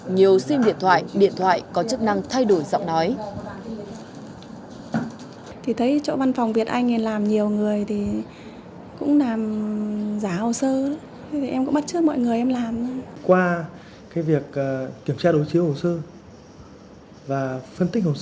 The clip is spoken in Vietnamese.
nhiều sim điện thoại điện thoại có chức năng thay đổi giọng nói